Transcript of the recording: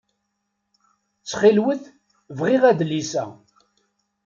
Ttxil-wet bɣiɣ adlis-a.